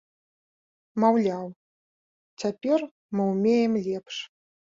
Маўляў, цяпер мы ўмеем лепш.